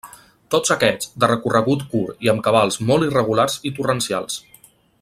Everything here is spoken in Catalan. Tots aquests, de recorregut curt i amb cabals molt irregulars i torrencials.